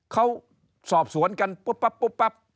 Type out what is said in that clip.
เขาสอบสวนกันปุ๊บปั๊บปุ๊บปั๊บ